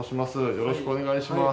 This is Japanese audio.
よろしくお願いします。